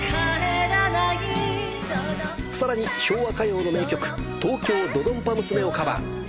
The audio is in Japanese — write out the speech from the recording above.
さらに昭和歌謡の名曲『東京ドドンパ娘』をカバー。